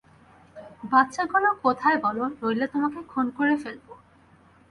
বাচ্চাগুলো কোথায় বলো, নইলে তোমাকে খুন করে ফেলবো।